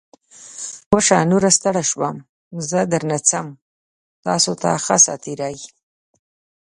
وشه. نوره ستړی شوم. زه درنه څم. تاسو ته ښه ساعتېری!